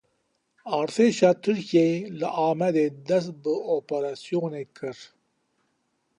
Artêşa Tirkiyeyê li Amedê dest bi operasyonê kir.